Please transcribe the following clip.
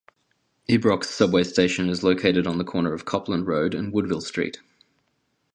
Ibrox Subway Station is located on the corner of Copland Road and Woodville Street.